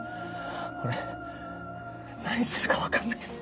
俺何するかわかんないです。